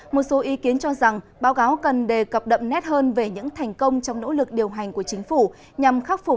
một số ý kiến cho rằng báo cáo cần đề cập đậm nét hơn về những thành công trong nỗ lực điều hành của chính phủ